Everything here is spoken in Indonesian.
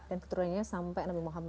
dan keturunannya sampai nabi muhammad